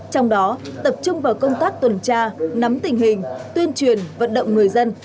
trong đó tập trung vào công tác tuần tra nắm tình hình tuyên truyền vận động người dân